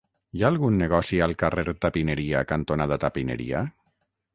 Hi ha algun negoci al carrer Tapineria cantonada Tapineria?